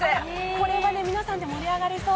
これは皆さんで盛り上がれそう。